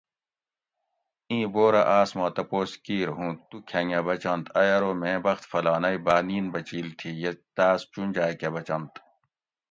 ایں بورہ آس ما تپوس کیر ھوں تو کھنگہ بچںت ائ ارو میں بخت فلانیٔ باۤ نیِن بچیل تھی یا تاس چونجا کہۤ بچنت